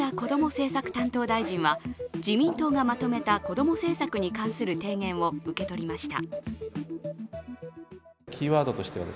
政策担当大臣は自民党がまとめた子ども政策に関する提言を受け取りました。